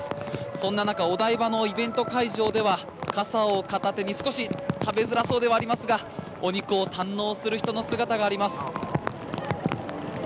そんな中お台場のイベント会場では傘を片手に少し、食べづらそうではありますがお肉を堪能する人の姿があります。